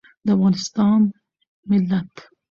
د افغانستان ملت